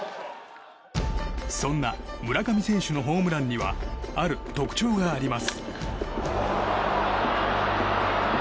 そんな村上選手のホームランにはある特徴があります。